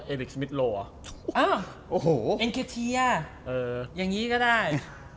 อ๋อเอ็งเกอร์เทียอย่างนี้ก็ได้